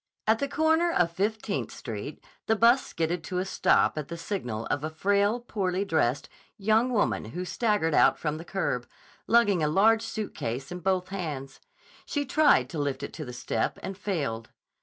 At the corner of Fifteenth Street the bus skidded to a stop at the signal of a frail, poorly dressed young woman who staggered out from the curb, lugging a large suitcase in both hands. She tried to lift it to the step and failed.